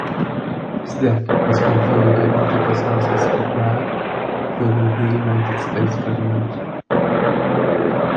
His death was confirmed by multiple sources in Iraq, including the United States government.